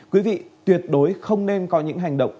quý vị tuyệt đối không nên có những hành động